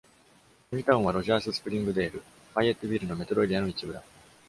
トニタウンは、ロジャース、スプリング・デール、ファイエット・ビルのメトロエリアの一部だ。